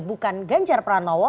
bukan ganjar pra nowo